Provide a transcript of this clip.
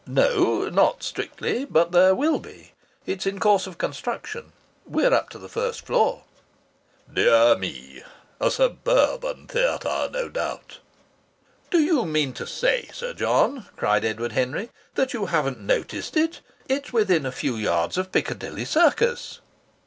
"No. Not strictly. But there will be. It's in course of construction. We're up to the first floor." "Dear me! A suburban theatre, no doubt?" "Do you mean to say, Sir John," cried Edward Henry, "that you haven't noticed it? It's within a few yards of Piccadilly Circus."